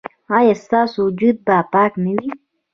ایا ستاسو وجود به پاک نه وي؟